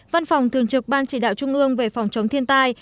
văn phòng thường trực ban chỉ đạo trung ương về phòng chống thiên tai